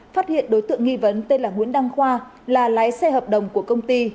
phát hiện đối tượng nghi vấn tên là nguyễn đăng khoa là lái xe hợp đồng của công ty